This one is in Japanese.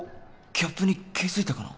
ギャップに気付いたかな？